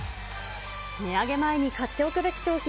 値上げ前に買っておくべき商品